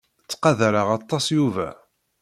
Ttqadareɣ aṭas Yuba.